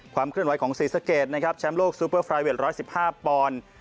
ความเคลื่อนไหวของศรีสเกษนะครับแชมป์โลกซูเปอร์ฟรายเวียตร้อยสิบห้าปอนด์